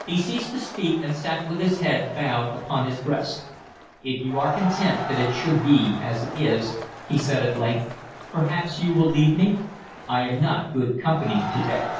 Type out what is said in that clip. He ceased to speak, and sat with his head bowed upon his breast. "If you are content that it should be as it is," he said at length, "perhaps you will leave me? I am not good company to day."